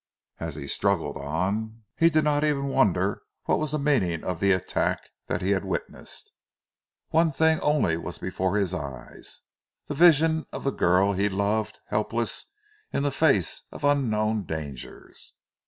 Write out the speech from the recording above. As he struggled on, he did not even wonder what was the meaning of the attack that he had witnessed; one thing only was before his eyes, the vision of the girl he loved helpless in the face of unknown dangers.